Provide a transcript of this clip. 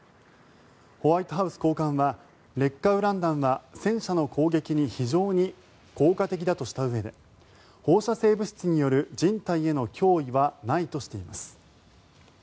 ホワイトハウス高官は劣化ウラン弾は戦車の攻撃に非常に効果的だとしたうえで放射性物質による人体への脅威はないとしています。